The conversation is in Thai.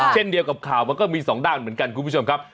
เช่นเดียวกับข่าวมันก็มีสองด้านเหมือนกันคุณผู้ชมครับ